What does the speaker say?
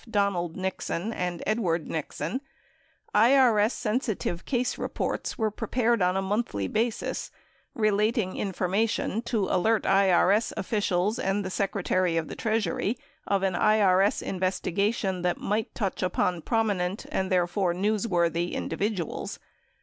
Donald Nixon and Edward Nixon, IRS sensitive case reports were prepared on a monthly basis relating information to alert IRS officials and the Secretary of the Treasury of an IRS investigation that might touch upon promi nent and, therefore, newsworthy individuals.